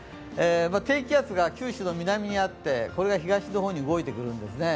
低気圧が九州の南側にあって、これが東の方に動いてくるんですね。